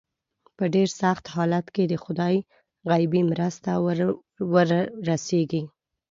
په ډېر سخت حالت کې د خدای غیبي مرسته ور ورسېږي.